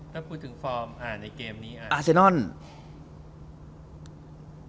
ถ้าพูดถึงฟอร์มในเกมนี้